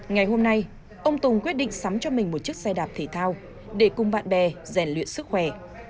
ngày hôm nay ông tùng quyết định sắm cho mình một chiếc xe đạp thể thao để cùng bạn bè rèn luyện sức khỏe